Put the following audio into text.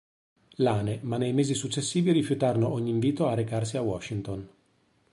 Lane, ma nei mesi successivi rifiutarono ogni invito a recarsi a Washington.